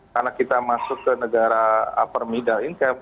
karena kita masuk ke negara upper middle income